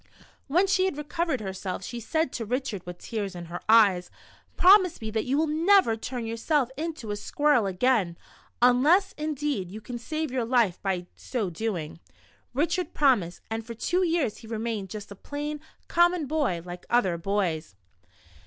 When she had recovered herself, she said to Richard, with tears in her eyes :" Promise me that you will never turn yourself into a squirrel again, unless, indeed, you can save your life by so doing." Richard promised, and for two years he remained just a plain, common boy, like other boys.